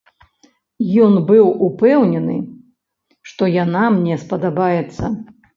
Ён быў упэўнены, што яна мне спадабаецца.